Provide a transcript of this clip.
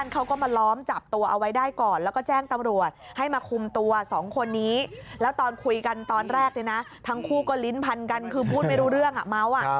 คือพูดไม่รู้เรื่องอ่ะเม้าท์อ่ะ